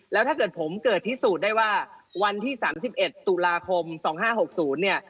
แล้วถ้าเกิดผมเกิดพิสูจน์ได้ว่าวันที่๓๑ตุลาคม๒๕๖๐เนี่ย